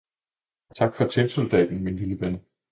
Tak for tinsoldaten, min lille ven!